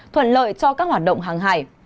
thuận lợi cho các hoạt động hàng hải